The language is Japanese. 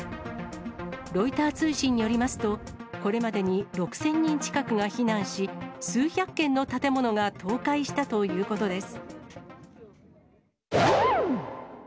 ロイター通信によりますと、これまでに６０００人近くが避難し、数百軒の建物が倒壊したということです。